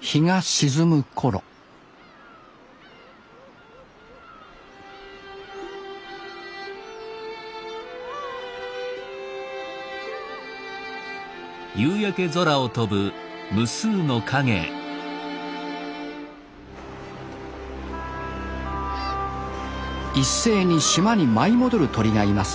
日が沈む頃一斉に島に舞い戻る鳥がいます。